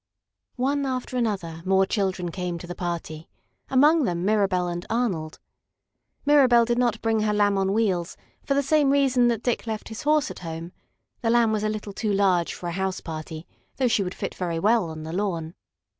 One after another more children came to the party, among them Mirabell and Arnold. Mirabell did not bring her Lamb on Wheels for the same reason that Dick left his Horse at home the Lamb was a little too large for a house party, though she would fit very well on the lawn.